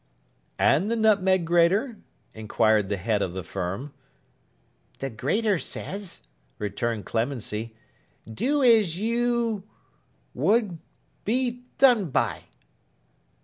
'And the nutmeg grater?' inquired the head of the Firm. 'The grater says,' returned Clemency, 'Do as you—wold—be—done by.